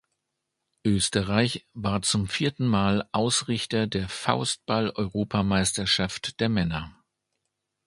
Österreich war zum vierten Mal Ausrichter der Faustball-Europameisterschaft der Männer.